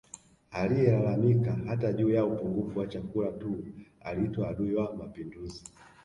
Aliyelalamika hata juu ya upungufu wa chakula tu aliitwa adui wa Mapinduzi